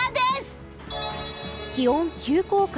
気温急降下。